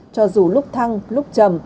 cho dù lúc thăng lúc chầm